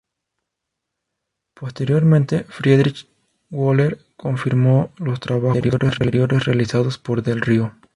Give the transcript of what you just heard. Posteriormente, Friedrich Wöhler confirmó los trabajos anteriores realizados por Del Río.